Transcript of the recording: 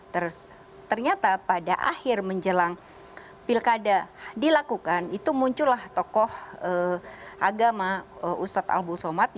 terus ternyata pada akhir menjelang pilkada dilakukan itu muncullah tokoh agama ustadz albul somad